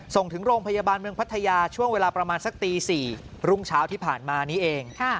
ส่งถึงโรงพยาบาลเมืองพัทยาช่วงเวลาประมาณสักตี๔รุ่งเช้าที่ผ่านมานี้เอง